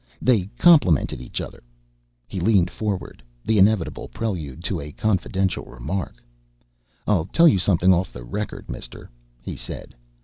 "They complemented each other." He leaned forward, the inevitable prelude to a confidential remark. "I'll tell you something off the record, Mister," he said.